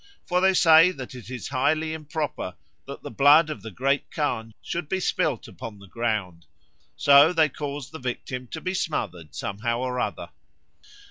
For they say that it is highly improper that the blood of the Great Khan should be spilt upon the ground; so they cause the victim to be smothered somehow or other.'